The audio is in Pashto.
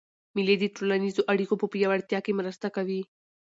مېلې د ټولنیزو اړیکو په پیاوړتیا کښي مرسته کوي.